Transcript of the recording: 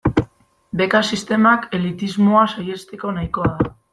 Beka sistemak elitismoa saihesteko nahikoa da.